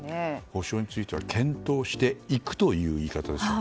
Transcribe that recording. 補償については検討していくという言い方でした。